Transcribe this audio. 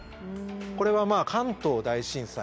これはまあ関東大震災。